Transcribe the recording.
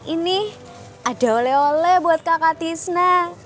ini ada oleh oleh buat kakak tisna